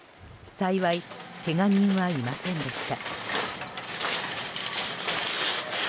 幸い、けが人はいませんでした。